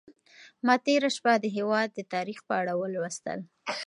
ما تېره شپه د هېواد د تاریخ په اړه ولوستل.